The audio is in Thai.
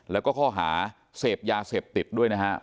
แล้วก็ข้อหาเสพยาเสพติดด้วยนะครับ